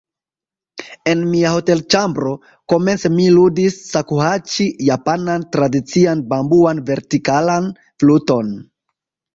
En mia hotelĉambro, komence mi ludis ŝakuhaĉi, japanan tradician bambuan vertikalan fluton.